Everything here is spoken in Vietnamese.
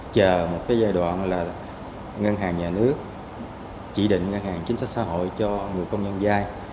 chờ một cái giai đoạn là ngân hàng nhà nước chỉ định ngân hàng chính sách xã hội cho người công nhân giai